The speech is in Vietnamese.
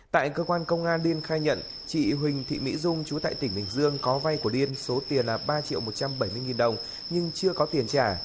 tại cơ quan công an điên khai nhận chị huỳnh thị mỹ dung trú tại tỉnh bình dương có vay của điên số tiền là ba triệu một trăm bảy mươi nghìn đồng nhưng chưa có tiền trả